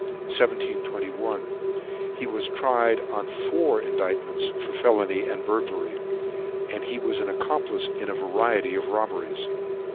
1721, he was tried on four indictments for felony and burglary, and he was an accomplice in a variety of robberies.